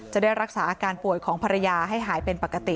จะได้รักษาอาการป่วยของภรรยาให้หายเป็นปกติ